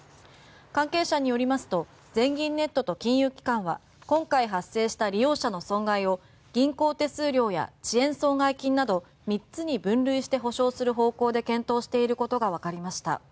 関係者によりますと全銀ネットと金融機関は今回発生した利用者の損害を銀行手数料や遅延損害金など３つに分類して補償する方向で検討していることがわかりました。